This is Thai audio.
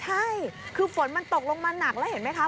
ใช่คือฝนมันตกลงมาหนักแล้วเห็นไหมคะ